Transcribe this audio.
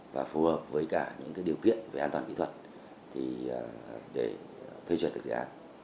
và phù hợp với cả những điều kiện về an toàn kỹ thuật để phê chuẩn các dự án